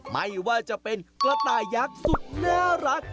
ไม่ว่าจะเป็นกระต่ายักษ์สุดน่ารัก